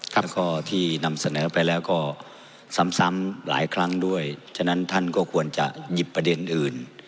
แล้วก็ที่นำเสนอไปแล้วก็ซ้ำหลายครั้งด้วยฉะนั้นท่านก็ควรจะหยิบประเด็นอื่น